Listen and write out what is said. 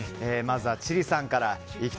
まずは千里さんから。